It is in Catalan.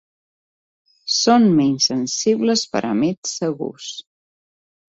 Són menys sensibles però més segurs.